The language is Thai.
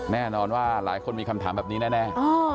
แน่นอนว่าหลายคนมีคำถามแบบนี้แน่